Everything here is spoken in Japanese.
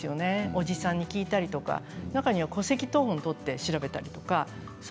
おじさんに聞いたりとか中には戸籍謄本を取って調べる人もいます。